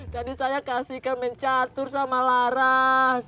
tadi saya kasih kemencatur sama laras